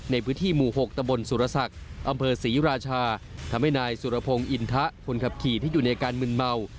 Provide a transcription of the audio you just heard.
ในพื้นที่หมู่๖ตะบนสุรศักดิ์อำเภอศรีราชาทำให้นายสุรพงศ์อินทะคนขับขี่ที่อยู่ในการมึนเมา